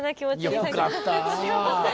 よかった。